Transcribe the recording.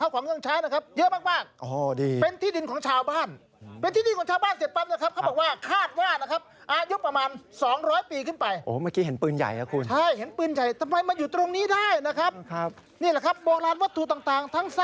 เขาบอกว่าเจอซากเหลือโบราณ